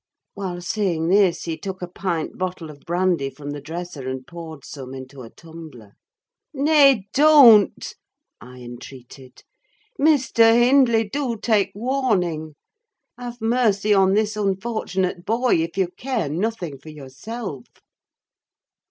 While saying this he took a pint bottle of brandy from the dresser, and poured some into a tumbler. "Nay, don't!" I entreated. "Mr. Hindley, do take warning. Have mercy on this unfortunate boy, if you care nothing for yourself!"